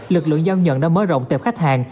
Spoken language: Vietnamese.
lực lượng giao nhận đã mới rộng tệp khách hàng